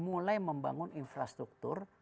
mulai membangun infrastruktur